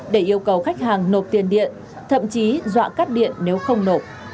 để yêu cầu khách hàng nộp tiền điện thậm chí dọa cắt điện nếu không nộp